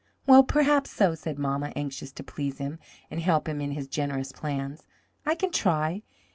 "Well, perhaps so," said mamma, anxious to please him and help him in his generous plans. "I can try.